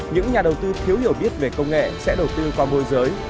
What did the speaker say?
những nhà đầu tư thiếu hiểu biết về công nghệ sẽ đầu tư qua môi giới